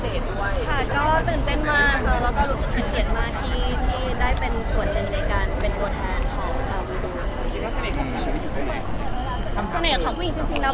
ดังมากที่จีนเลยแล้ววันนี้เราก็ได้มาโชว์พิเศษตัว